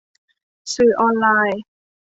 สื่อออนไลน์